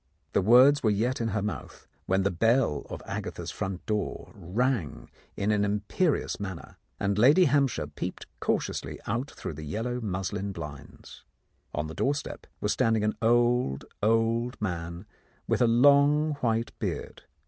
The words were yet in her mouth, when the bell of Agatha's front door rang in an imperious manner, and Lady Hampshire peeped cautiously out through the yellow muslin blinds. On the doorstep was stand ing an old, old man with a long white beard.